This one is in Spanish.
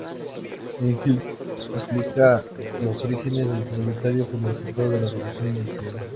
Engels explica los orígenes del proletariado como resultado de la Revolución Industrial.